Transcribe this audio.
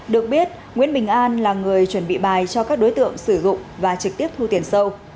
được biết nguyễn bình an là người chuẩn bị bài cho các đối tượng sử dụng và trực tiếp thu tiền sâu